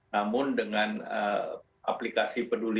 namun dengan aplikasi peduli